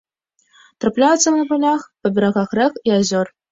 Трапляюцца на палях, па берагах рэк і азёр.